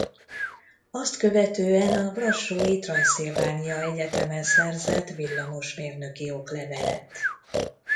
Azt követően a brassói Transilvania Egyetemen szerzett villamosmérnöki oklevelet.